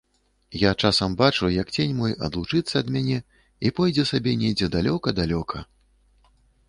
Я часам бачу, як цень мой адлучыцца ад мяне і пойдзе сабе недзе далёка-далёка!